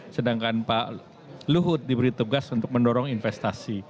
sedangkan pak luhut diberi tugas untuk mendorong investasi